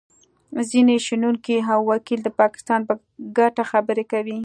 ځینې شنونکي او وکیل د پاکستان په ګټه خبرې کوي